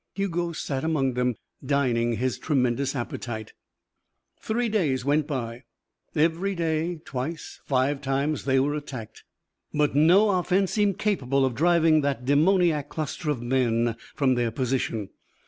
Hugo sat among them, dining his tremendous appetite. Three days went by. Every day, twice, five times, they were attacked. But no offence seemed capable of driving that demoniac cluster of men from their position.